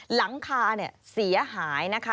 หลังคาเสียหาย